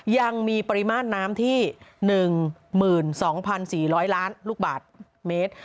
ยังมีปริมาณน้ำที่๑๒๔๐๐ล้านลูกบาทเมตร